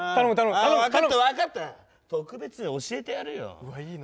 ああ分かった分かった特別に教えてやるようわいいの？